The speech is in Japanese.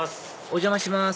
お邪魔します